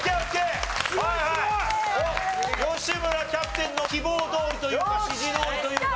すごいすごい！吉村キャプテンの希望どおりというか指示どおりというか。